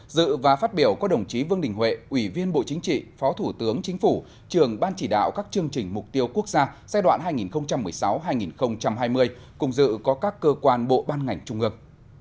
dự và phát biểu có đồng chí vương đình huệ ủy viên bộ chính trị phó thủ tướng chính phủ trường ban chỉ đạo các chương trình mục tiêu quốc gia giai đoạn hai nghìn một mươi sáu hai nghìn hai mươi cùng dự có các cơ quan bộ ban ngành trung ương